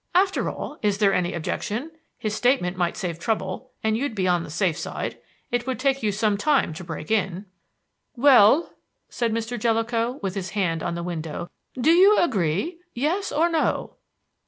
"After all, is there any objection? His statement might save trouble, and you'd be on the safe side. It would take you some time to break in." "Well," said Mr. Jellicoe, with his hand on the window, "do you agree yes or no?"